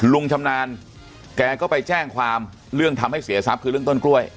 ชำนาญแกก็ไปแจ้งความเรื่องทำให้เสียทรัพย์คือเรื่องต้นกล้วย